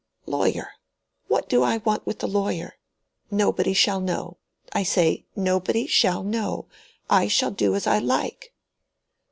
"Lawyer? What do I want with the lawyer? Nobody shall know—I say, nobody shall know. I shall do as I like."